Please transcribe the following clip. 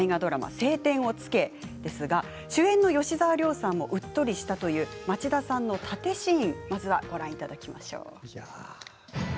「青天を衝け」主演の吉沢亮さんもうっとりしたという町田さんの殺陣シーンをご覧いただきましょう。